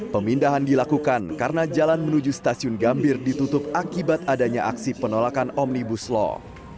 pemindahan dilakukan karena jalan menuju stasiun gambir ditutup akibat adanya aksi penolakan omnibus law